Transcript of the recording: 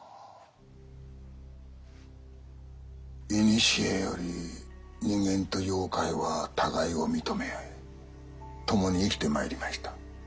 いにしえより人間と妖怪は互いを認め合い共に生きて参りました。